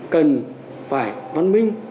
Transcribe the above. cần phải văn minh